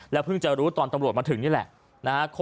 เพิ่งจะรู้ตอนตำรวจมาถึงนี่แหละ